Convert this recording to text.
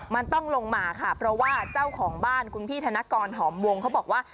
มันต้องลงมาค่ะเพราะว่าเจ้าของบ้านคุณพี่ธนกรหอมวงเขาบอกว่า